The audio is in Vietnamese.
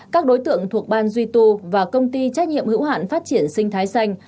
các đối tượng thuộc ban duy tu và công ty trách nhiệm hữu hạn phát triển sinh thái xanh